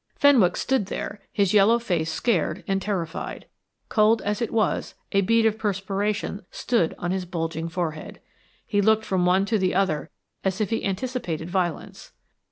Fenwick stood there, his yellow face scared and terrified. Cold as it was, a bead of perspiration stood on his bulging forehead. He looked from one to the other as if he anticipated violence.